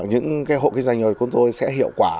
hộ kinh doanh của chúng tôi sẽ hiệu quả